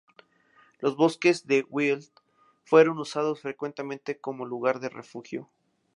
Los bosques de Weald fueron usados frecuentemente como lugar de refugio.